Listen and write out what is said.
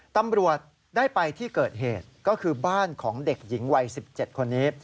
ตำรวจได้ไปที่เกิดเหตุก็คือบ้านของเด็กหญิงวัย๑๗คนนี้